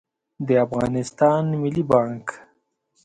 د افغانستان ملي بانګ